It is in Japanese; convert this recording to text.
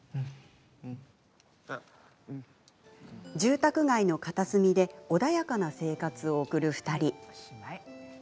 住宅街の片隅で穏やかな生活を送る２人。